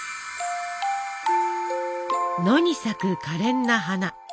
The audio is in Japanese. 野に咲くかれんな花。